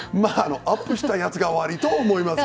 アップするやつが悪いと思います。